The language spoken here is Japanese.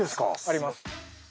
あります。